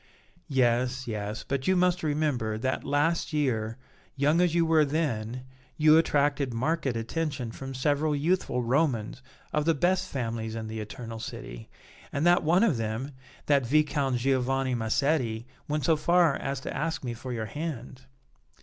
"Yes, yes, but you must remember that last year, young as you were then, you attracted marked attention from several youthful Romans of the best families in the Eternal City, and that one of them, the Viscount Giovanni Massetti, went so far as to ask me for your hand."